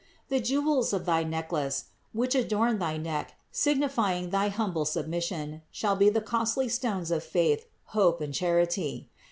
The jewels of thy necklace, which adorn thy neck, signifying thy humble submission, shall be the costly stones of faith, hope and charity.